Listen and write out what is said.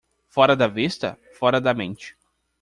Fora da vista? fora da mente.